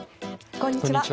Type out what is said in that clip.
こんにちは。